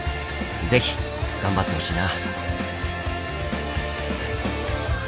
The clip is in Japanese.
ぜひ頑張ってほしいな。